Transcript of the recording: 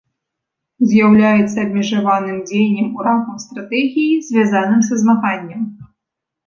З'яўляецца абмежаваным дзеяннем у рамкай стратэгіі, звязаным са змаганнем.